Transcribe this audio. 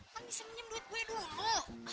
kan bisa minjem duit gue dulu